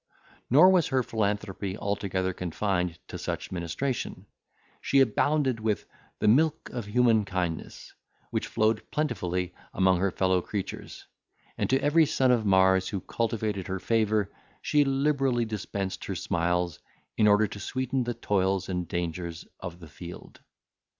Nor was her philanthropy altogether confined to such ministration; she abounded with "the milk of human kindness," which flowed plentifully among her fellow creatures; and to every son of Mars who cultivated her favour, she liberally dispensed her smiles, in order to sweeten the toils and dangers of the field.